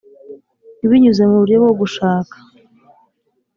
binyuze mu buryo bwo gushaka